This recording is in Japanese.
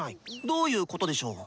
どういうことでしょう？